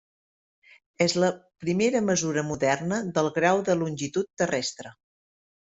És la primera mesura moderna del grau de longitud terrestre.